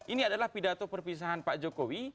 ini adalah pidato perpisahan pak jokowi